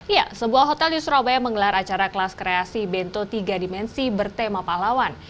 ya sebuah hotel di surabaya menggelar acara kelas kreasi bento tiga dimensi bertema pahlawan